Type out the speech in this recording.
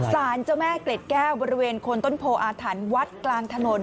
สารเจ้าแม่เกล็ดแก้วบริเวณคนต้นโพออาถรรพ์วัดกลางถนน